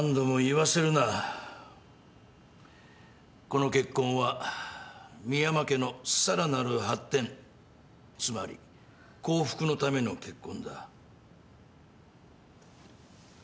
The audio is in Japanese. この結婚は深山家のさらなる発展つまり幸福のための結婚だ。